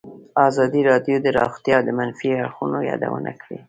ازادي راډیو د روغتیا د منفي اړخونو یادونه کړې.